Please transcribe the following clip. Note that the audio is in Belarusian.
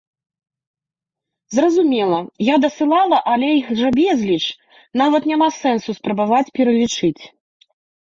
Зразумела, я дасылала, але іх жа безліч, нават няма сэнсу, спрабаваць пералічыць!